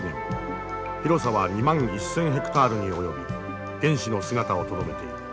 広さは２万１，０００ヘクタールに及び原始の姿をとどめている。